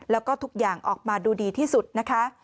แล้วก็ทุกอย่างออกมาดูดีที่สุดนะคะ